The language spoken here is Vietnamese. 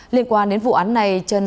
liên quan đến vụ án này